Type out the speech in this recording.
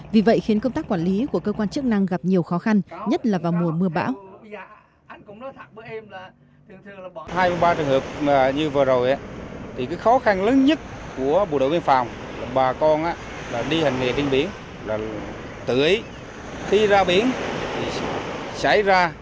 vì vậy khiến công tác quản lý của cơ quan chức năng gặp nhiều khó khăn nhất là vào mùa mưa bão